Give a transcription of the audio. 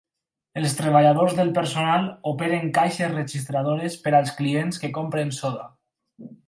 Els treballadors del personal operen caixes registradores per als clients que compren soda.